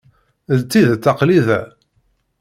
D tidet, aql-i da.